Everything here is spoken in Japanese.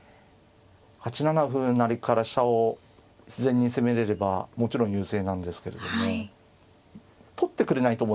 ８七歩成から飛車を自然に攻めれればもちろん優勢なんですけれども取ってくれないと思いますね